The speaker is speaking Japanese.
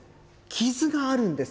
傷があるんです。